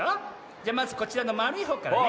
じゃまずこちらのまるいほうからね。